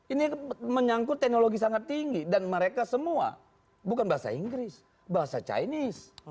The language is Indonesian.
ini menyangkut teknologi sangat tinggi dan mereka semua bukan bahasa inggris bahasa chinese